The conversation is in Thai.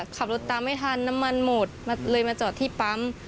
ขับรถตามไม่ทันน้ำมันหมดเลยมาจอดที่ปั๊ม